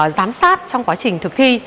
giám sát trong quá trình thực thi